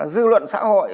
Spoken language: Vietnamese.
dư luận xã hội